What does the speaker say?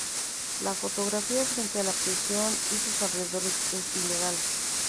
La fotografía frente a la prisión y sus alrededores es ilegal.